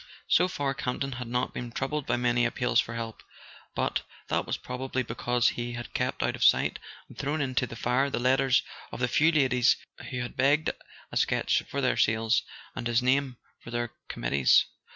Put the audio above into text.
So far, Campton had not been troubled by many appeals for help; but that was probably because he had kept out of sight, and thrown into the fire the letters of the few ladies who had begged a sketch for their sales, or his name for their committees.